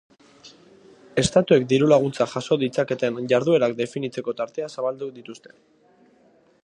Estatuek dirulaguntzak jaso ditzaketen jarduerak definitzeko tartea zabaldu dituzte.